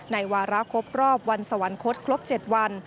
วาระครบรอบวันสวรรคตครบ๗วัน